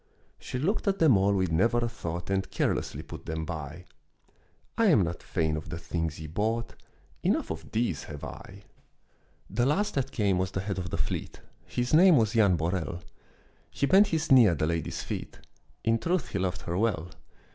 She looked at them all with never a thought And careless put them by; "I am not fain of the things ye brought, Enough of these have I." The last that came was the head of the fleet, His name was Jan Borel; He bent his knee at the lady's feet, In truth he loved her well.